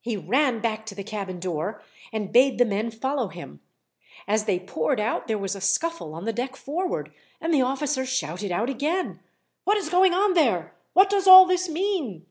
He ran back to the cabin door, and bade the men follow him. As they poured out there was a scuffle on the deck forward, and the officer shouted out again: "What is going on there? What does all this mean?"